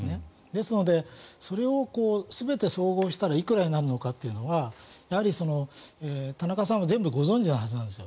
ですのでそれを全て総合したらいくらになるのかというのはやはり田中さんは全部ご存じなはずなんです。